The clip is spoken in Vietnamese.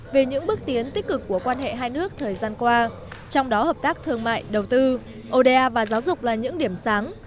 về những bước tiến tích cực của quan hệ hai nước thời gian qua trong đó hợp tác thương mại đầu tư oda và giáo dục là những điểm sáng